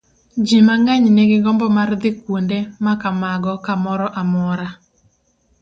Ji mang'eny nigi gombo mar dhi kuonde ma kamago kamoro amora.